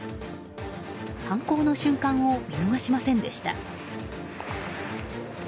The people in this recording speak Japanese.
犯行の瞬間を見逃しませんでした。